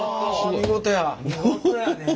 見事やね